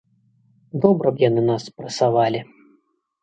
Добра б яны нас прэсавалі.